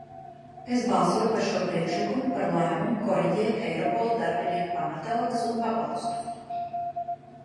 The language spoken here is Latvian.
Es balsoju par šo priekšlikumu par lēmumu koriģēt Eiropola darbinieku pamatalgas un pabalstus.